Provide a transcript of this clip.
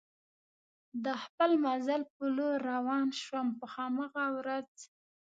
د خپل مزل په لور روان شوم، په هماغه ورځ.